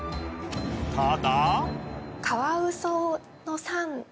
ただ。